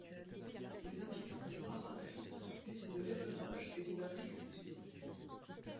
Les habitants de Parás vivent de l'élevage et de l'agriculture.